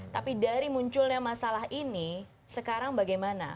tapi dari munculnya masalah ini sekarang bagaimana